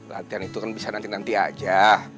latihan itu kan bisa nanti nanti aja